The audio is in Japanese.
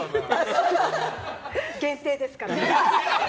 限定ですから！